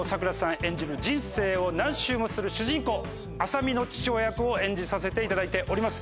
演じる人生を何周もする主人公麻美の父親役を演じさせていただいております。